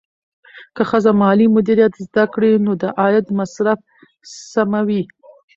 که ښځه مالي مدیریت زده کړي، نو د عاید مصرف سموي.